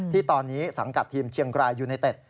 ที่ตอนนี้สังกัดทีมเชียงรายยูไนเต็ด